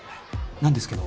なんですけど。